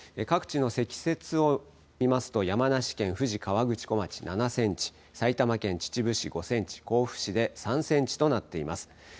各地の積雪を見ますと山梨県富士河口湖町、７センチ埼玉県秩父市５センチ、甲府市で３センチとなっています。